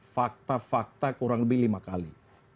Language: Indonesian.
fakta fakta kurang lebih lima kali